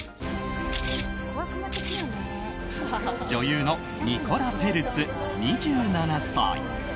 女優のニコラ・ペルツ、２７歳。